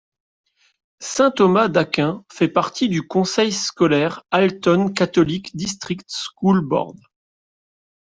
Saint Thomas d'Aquin fait partie du conseil scolaire Halton Catholic District School Board.